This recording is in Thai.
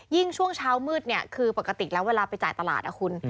ช่วงเช้ามืดเนี่ยคือปกติแล้วเวลาไปจ่ายตลาดนะคุณ